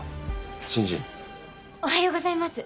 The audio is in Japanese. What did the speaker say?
おはようございます。